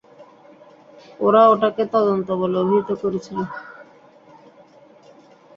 ওরা ওটাকে তদন্ত বলে অভিহিত করেছিল।